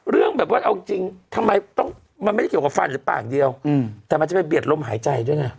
เรื่องแบบว่าเอาจริงทำไมต้องมันไม่ได้เกี่ยวกับฟันหรือปากเดียวแต่มันจะไปเบียดลมหายใจด้วยไง